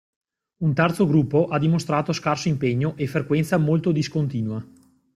Un terzo gruppo ha dimostrato scarso impegno e frequenza molto discontinua.